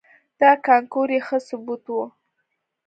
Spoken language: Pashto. دا کانکور یې ښه ثبوت و.